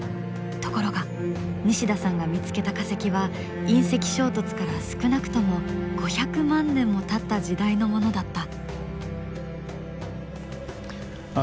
ところが西田さんが見つけた化石は隕石衝突から少なくとも５００万年もたった時代のものだった。